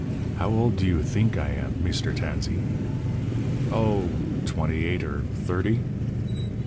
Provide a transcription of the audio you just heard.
"How old do you theenk I am, Meester Tansee?" "Oh, twenty eight or thirty."